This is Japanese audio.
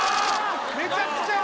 めちゃくちゃ！